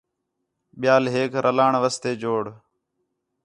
ٻِیال ہیک رلاݨ واسطے جوڑ